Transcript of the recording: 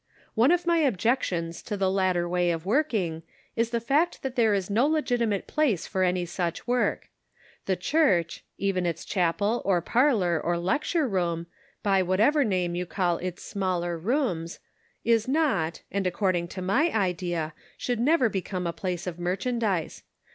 One of my objections to the latter way of work ing is the fact that there is no legitimate place for any such work. The church — even its chapel or parlor or lecture room, by whatever name you call its smaller rooms — is not, and, according to my idea, should never become a place of merchandise.